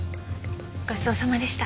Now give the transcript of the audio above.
ごちそうさまでした。